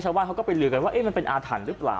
ชาวบ้านเขาก็ไปลือกันว่ามันเป็นอาถรรพ์หรือเปล่า